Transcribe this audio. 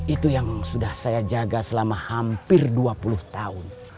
itu yang sudah saya jaga selama hampir dua puluh tahun